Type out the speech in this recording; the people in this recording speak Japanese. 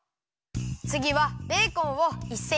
つぎはベーコンを１センチはばにきります。